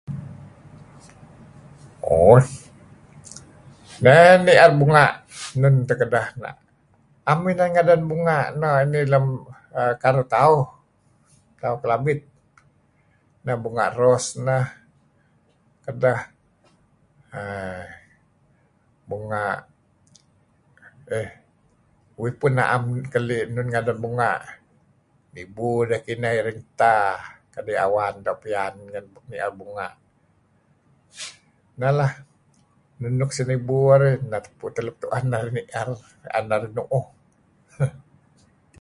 ooh mey ni'er bunga' enun teh kedeh 'am ngadan bunga' inih lem karuh tauh, tauh Kelabit , neh bunga' ros neh edtah, bunga' err uih pun na'em keli' ngadan bunga' , nibu deh kineh iring ta adi' awan doo' piyan ni'er bunga' lah, enun luk senibu arih neh tupu luk tu'en arih ni'er, 'an narih nu'uh.